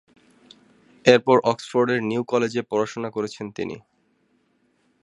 এরপর অক্সফোর্ডের নিউ কলেজে পড়াশুনো করেছেন তিনি।